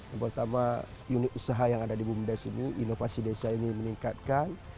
yang pertama unit usaha yang ada di bumdes ini inovasi desa ini meningkatkan